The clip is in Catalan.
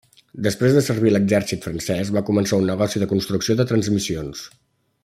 Després de servir a l'exèrcit francès, va començar un negoci de construcció de transmissions.